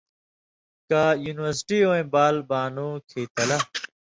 کہ یونیورسٹی وَیں بال بانُوں کھېں تَلہ